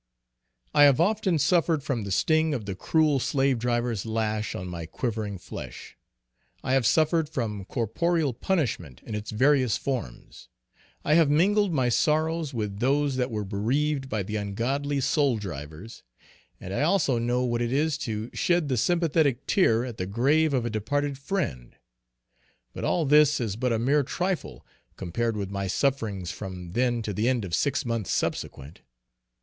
I have often suffered from the sting of the cruel slave driver's lash on my quivering flesh I have suffered from corporeal punishment in its various forms I have mingled my sorrows with those that were bereaved by the ungodly soul drivers and I also know what it is to shed the sympathetic tear at the grave of a departed friend; but all this is but a mere trifle compared with my sufferings from then to the end of six months subsequent.